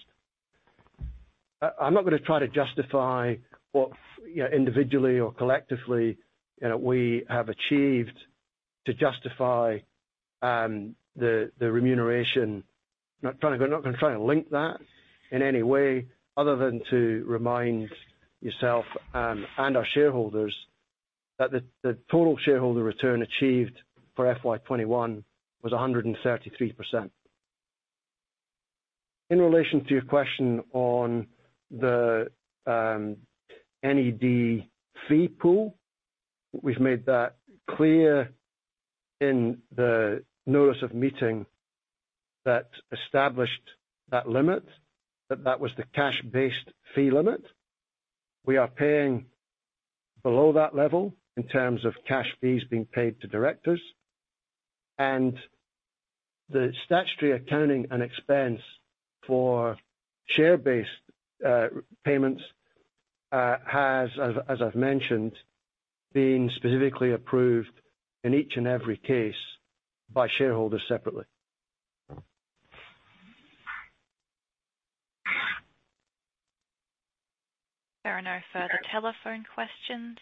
I'm not gonna try to justify what, you know, individually or collectively, you know, we have achieved to justify the remuneration. Not gonna try to link that in any way other than to remind yourself and our shareholders that the total shareholder return achieved for FY 2021 was 133%. In relation to your question on the NED fee pool, we've made that clear in the notice of meeting that established that limit, that was the cash-based fee limit. We are paying below that level in terms of cash fees being paid to directors. The statutory accounting and expense for share-based payments has, as I've mentioned, been specifically approved in each and every case by shareholders separately. There are no further telephone questions,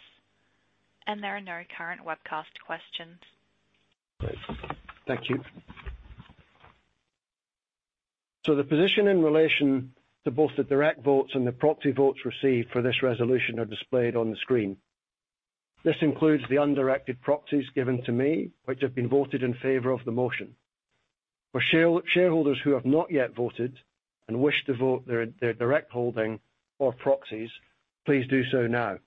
and there are no current webcast questions. Great. Thank you. The position in relation to both the direct votes and the proxy votes received for this resolution are displayed on the screen. This includes the undirected proxies given to me, which have been voted in favor of the motion. For shareholders who have not yet voted and wish to vote their direct holding or proxies, please do so now.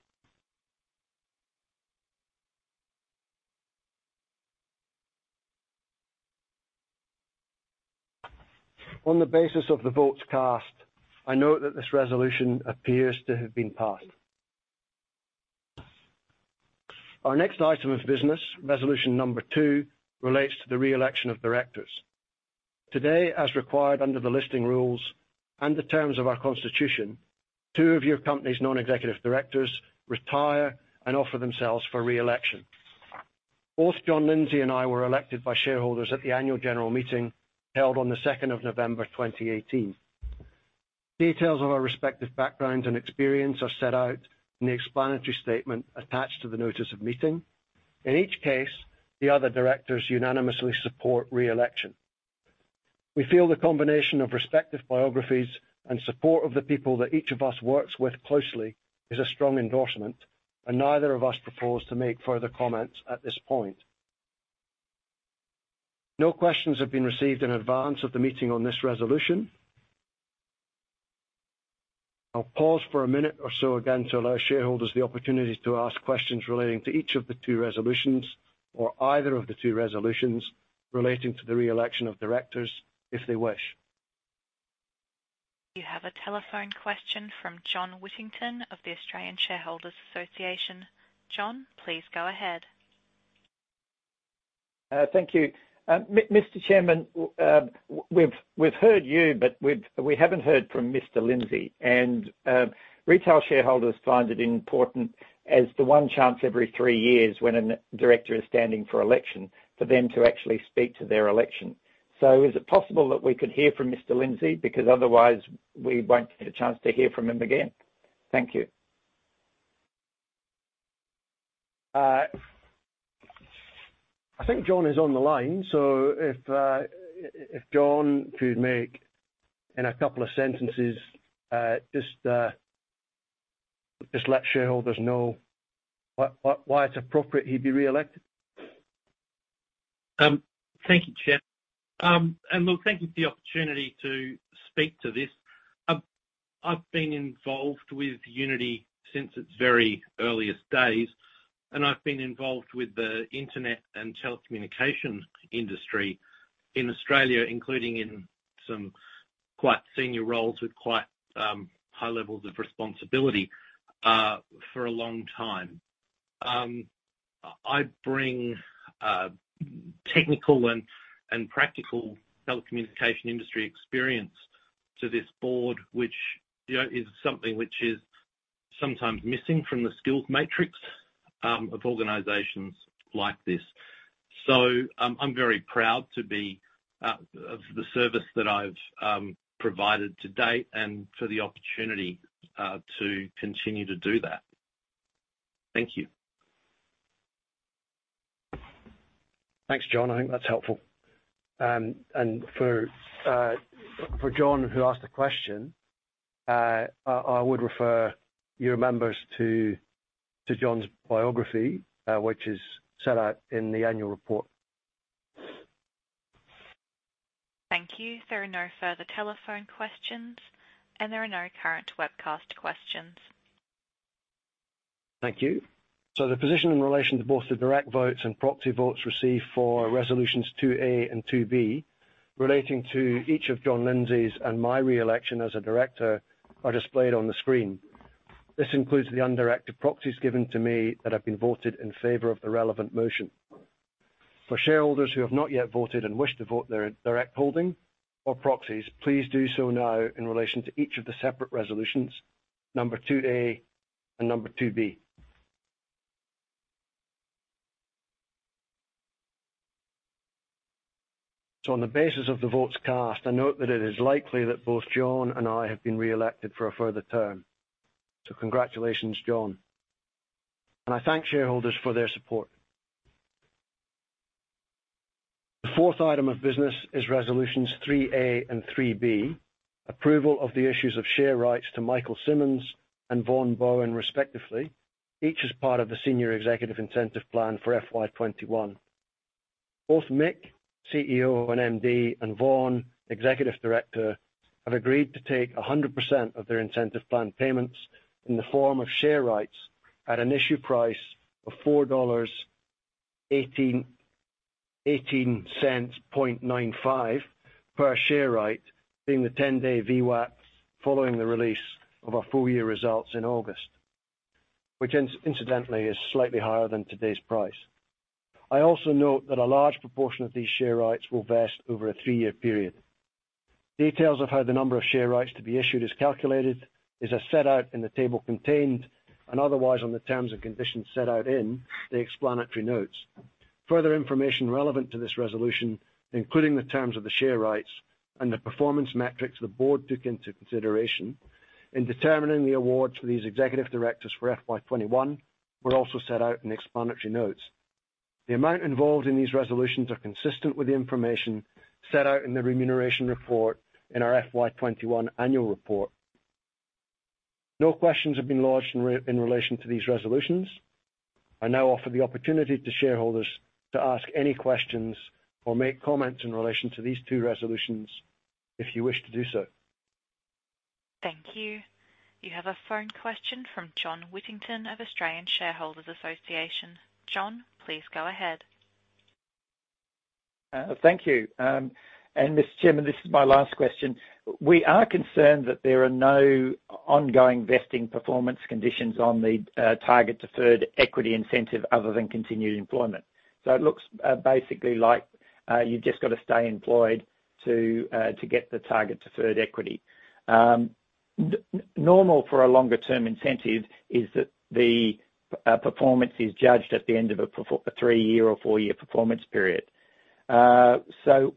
On the basis of the votes cast, I note that this resolution appears to have been passed. Our next item of business, resolution number two, relates to the reelection of directors. Today, as required under the listing rules and the terms of our constitution, two of your company's non-executive directors retire and offer themselves for reelection. Both John Lindsay and I were elected by shareholders at the annual general meeting held on the second of November 2018. Details of our respective background and experience are set out in the explanatory statement attached to the notice of meeting. In each case, the other directors unanimously support reelection. We feel the combination of respective biographies and support of the people that each of us works with closely is a strong endorsement, and neither of us propose to make further comments at this point. No questions have been received in advance of the meeting on this resolution. I'll pause for a minute or so again to allow shareholders the opportunity to ask questions relating to each of the two resolutions, or either of the two resolutions relating to the reelection of directors if they wish. You have a telephone question from John Whittington of the Australian Shareholders' Association. John, please go ahead. Thank you. Mr. Chairman, we've heard you, but we haven't heard from Mr. Lindsay. Retail shareholders find it important as the one chance every three years when a director is standing for election for them to actually speak to their election. Is it possible that we could hear from Mr. Lindsay? Because otherwise we won't get a chance to hear from him again. Thank you. I think John is on the line. If John could make it in a couple of sentences, just let shareholders know why it's appropriate he be reelected. Thank you, Chair. Look, thank you for the opportunity to speak to this. I've been involved with Uniti since its very earliest days, and I've been involved with the Internet and telecommunication industry in Australia, including in some quite senior roles with quite high levels of responsibility for a long time. I bring technical and practical telecommunication industry experience to this board, which, you know, is something which is sometimes missing from the skills matrix of organizations like this. I'm very proud to be of the service that I've provided to date and for the opportunity to continue to do that. Thank you. Thanks, John. I think that's helpful. For John who asked the question, I would refer your members to John's biography, which is set out in the annual report. Thank you. There are no further telephone questions, and there are no current webcast questions. Thank you. The position in relation to both the direct votes and proxy votes received for Resolutions 2A and 2B relating to each of John Lindsay's and my re-election as a director are displayed on the screen. This includes the undirected proxies given to me that have been voted in favor of the relevant motion. For shareholders who have not yet voted and wish to vote their direct holding or proxies, please do so now in relation to each of the separate resolutions, number 2A and number 2B. On the basis of the votes cast, I note that it is likely that both John and I have been re-elected for a further term. Congratulations, John. I thank shareholders for their support. The fourth item of business is Resolutions 3A and 3B, approval of the issues of share rights to Michael Simmons and Vaughan Bowen, respectively, each as part of the Senior Executive Incentive Plan for FY 2021. Both Mick, CEO and MD, and Vaughan, Executive Director, have agreed to take 100% of their incentive plan payments in the form of share rights at an issue price of 4.181895 dollars per share right, being the 10-day VWAP following the release of our full-year results in August, which incidentally is slightly higher than today's price. I also note that a large proportion of these share rights will vest over a three-year period. Details of how the number of share rights to be issued is calculated is as set out in the table contained and otherwise on the terms and conditions set out in the explanatory notes. Further information relevant to this resolution, including the terms of the share rights and the performance metrics the board took into consideration in determining the awards for these executive directors for FY 2021 were also set out in explanatory notes. The amount involved in these resolutions are consistent with the information set out in the remuneration report in our FY 2021 annual report. No questions have been lodged in relation to these resolutions. I now offer the opportunity to shareholders to ask any questions or make comments in relation to these two resolutions if you wish to do so. Thank you. You have a phone question from John Whittington of Australian Shareholders' Association. John, please go ahead. Thank you. Mr. Chairman, this is my last question. We are concerned that there are no ongoing vesting performance conditions on the target deferred equity incentive other than continued employment. It looks basically like you've just got to stay employed to get the target deferred equity. Normal for a longer-term incentive is that the performance is judged at the end of a three-year or four-year performance period.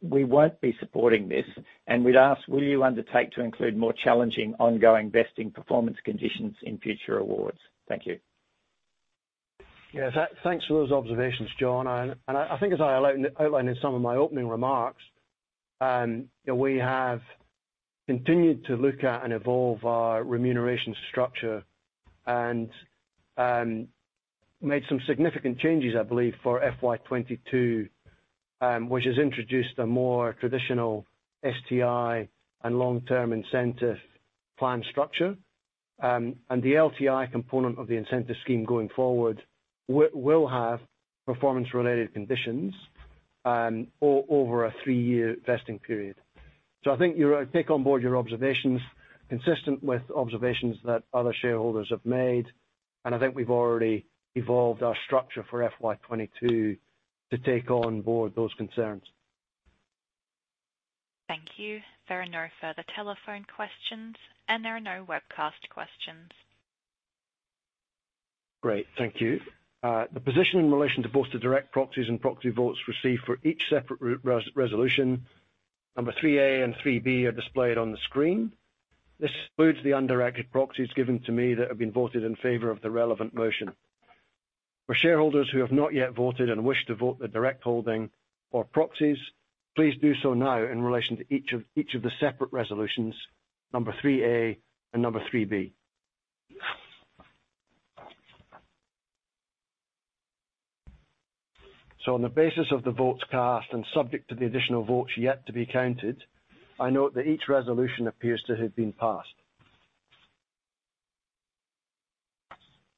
We won't be supporting this, and we'd ask, will you undertake to include more challenging ongoing vesting performance conditions in future awards? Thank you. Yeah. Thanks for those observations, John. I think as I outlined in some of my opening remarks, that we have continued to look at and evolve our remuneration structure and, made some significant changes, I believe, for FY 2022, which has introduced a more traditional STI and long-term incentive plan structure. The LTI component of the incentive scheme going forward will have performance related conditions, over a three-year vesting period. I think you're right. We take on board your observations consistent with observations that other shareholders have made, and I think we've already evolved our structure for FY 2022 to take on board those concerns. Thank you. There are no further telephone questions, and there are no webcast questions. Great. Thank you. The position in relation to both the direct proxies and proxy votes received for each separate Resolution number 3A and 3B are displayed on the screen. This includes the undirected proxies given to me that have been voted in favor of the relevant motion. For shareholders who have not yet voted and wish to vote the direct holding or proxies, please do so now in relation to each of the separate Resolutions, number 3A and 3B. On the basis of the votes cast and subject to the additional votes yet to be counted, I note that each resolution appears to have been passed.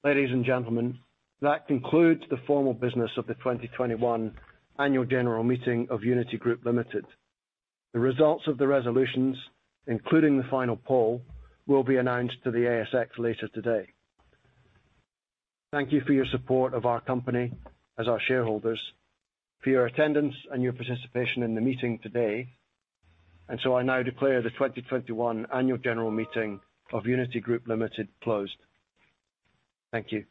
Ladies and gentlemen, that concludes the formal business of the 2021 Annual General Meeting of Uniti Group Limited. The results of the resolutions, including the final poll, will be announced to the ASX later today. Thank you for your support of our company as our shareholders, for your attendance and your participation in the meeting today. I now declare the 2021 Annual General Meeting of Uniti Group Limited, closed. Thank you.